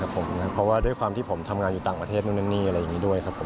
เพราะว่าด้วยความที่ผมทำงานอยู่ต่างประเทศนู่นนั่นนี่อะไรอย่างนี้ด้วยครับผม